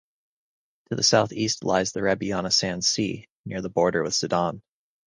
To the south-east lies the Rebiana Sand Sea, near the border with Sudan.